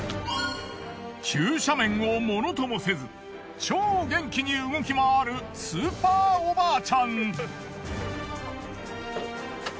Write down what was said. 急斜面をものともせず超元気に動き回るスーパーおばあちゃん。